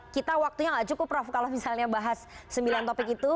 kita waktunya gak cukup prof kalau misalnya bahas sembilan topik itu